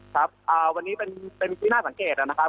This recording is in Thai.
ครับวันนี้เป็นที่น่าสังเกตนะครับ